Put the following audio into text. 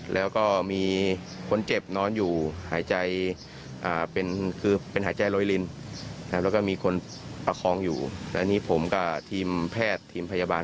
แล้วก็รีบนำตัวส่งโรงพยาบาล